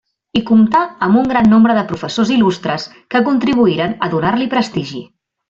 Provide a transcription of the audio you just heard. I comptà amb un gran nombre de professors il·lustres que contribuïren a donar-li prestigi.